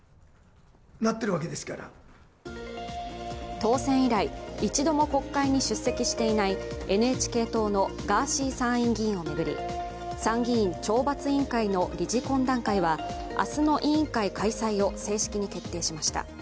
当選以来、一度も国会に出席していないＮＨＫ党のガーシー参院議員を巡り、参議院懲罰委員会の理事懇談会は明日の委員会開催を正式に決定しました。